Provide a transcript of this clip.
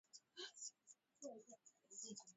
Lakini kuna tofauti kubwa katika kiwango cha maisha